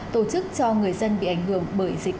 tổ chức cho người dân bị ảnh hưởng bởi dịch